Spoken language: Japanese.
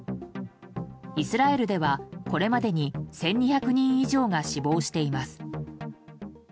イスラエルでは、これまでに１２００人以上が死亡しています。